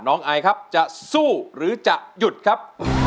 ไอครับจะสู้หรือจะหยุดครับ